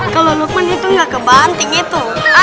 kalau lukman itu nggak kebanting itu